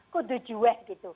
kudu juweh gitu